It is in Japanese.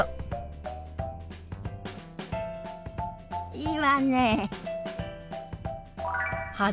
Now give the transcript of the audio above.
いいわね。